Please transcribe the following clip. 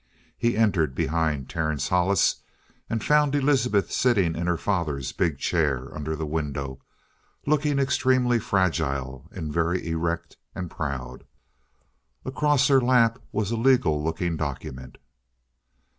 He entered behind Terence Hollis, and found Elizabeth sitting in her father's big chair under the window, looking extremely fragile and very erect and proud. Across her lap was a legal looking document.